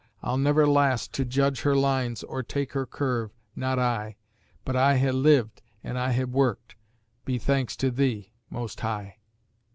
I'll never last to judge her lines or take her curve not I. But I ha' lived and I ha' worked. Be thanks to Thee, Most High!